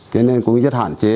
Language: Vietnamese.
thế nên cũng rất hạn chế